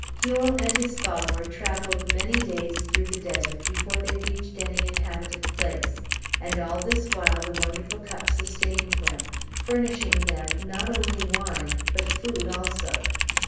Huon and his follower travelled many days through the desert before they reached any inhabited place, and all this while the wonderful cup sustained them, furnishing them not only wine, but food also.